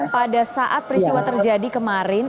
pada saat peristiwa terjadi kemarin